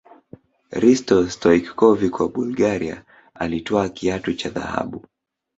hristo stoichkovic wa bulgaria alitwaa kiatu cha dhahabu